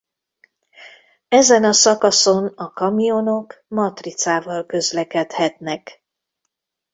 Ezen a szakaszon a kamionok matricával közlekedhetnek.